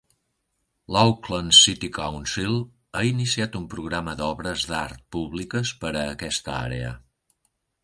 L'Auckland City Council ha iniciat un programa d'obres d'art públiques per a aquesta àrea.